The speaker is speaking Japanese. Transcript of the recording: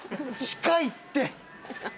近いって！